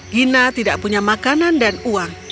gina tidak punya makanan dan uang